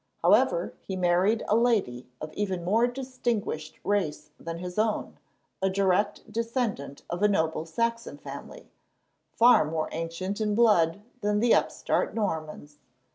However, he married a lady of even more distinguished race than his own, a direct descendant of a noble Saxon family, far more ancient in blood than the upstart Normans.